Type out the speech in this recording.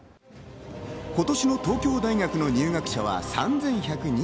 今年の東京大学の入学者は３１２７人。